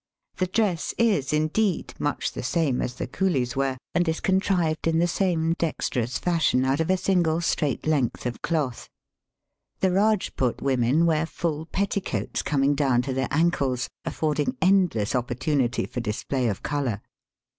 , The dress is, indeed, much the same as the coolies wear, and is contrived in the sanje dexterojis fashion out of a single straight Digitized by VjOOQIC AN ELEPHANT ETDE. 311 length of. cloth. The Eajput women wear fall petticoats coining down to their aiikles, affording endless opportunity for display of colour.